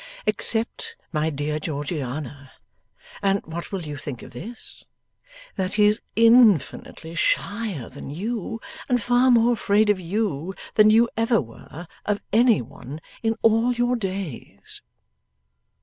Except, my dear Georgiana and what will you think of this! that he is infinitely shyer than you, and far more afraid of you than you ever were of any one in all your days!